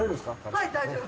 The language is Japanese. はい大丈夫。